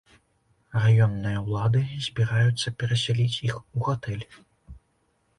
Раённыя ўлады збіраюцца перасяліць іх у гатэль.